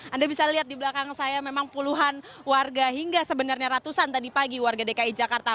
anda bisa lihat di belakang saya memang puluhan warga hingga sebenarnya ratusan tadi pagi warga dki jakarta